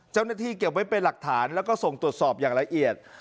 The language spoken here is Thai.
เก็บไว้เป็นหลักฐานแล้วก็ส่งตรวจสอบอย่างละเอียด